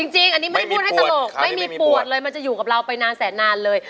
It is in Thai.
จริงอันนี้ไม่ได้พูดให้ตลกไม่มีปวดเลยมันจะอยู่กับเราไปนานแสนนานเลย